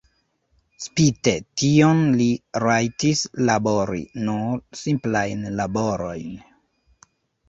Spite tion li rajtis labori nur simplajn laborojn.